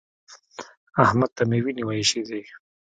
احمد ته مې وينې وايشېدې.